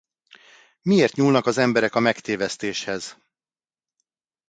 Miért nyúlnak emberek a megtévesztéshez?